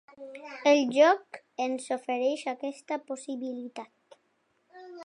El joc ens ofereix aquesta possibilitat.